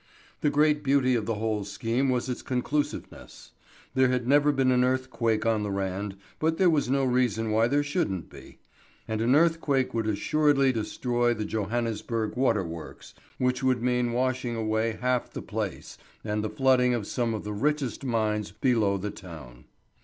The great beauty of the whole scheme was its conclusiveness. There never had been an earthquake on the Rand, but there was no reason why there shouldn't be. And an earthquake would assuredly destroy the Johannesburg water works, which would mean the washing away of half the place and the flooding of some of the richest mines below the town.